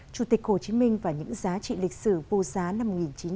chủ tịch hồ chí minh và những giá trị lịch sử vô giá năm một nghìn chín trăm bảy mươi